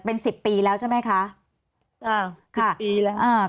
เป็นสิบปีแล้วใช่ไหมคะค่ะสิบปีแล้ว